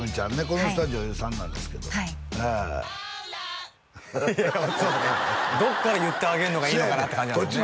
この人は女優さんなんですけどどっから言ってあげんのがいいのかなって感じなんですね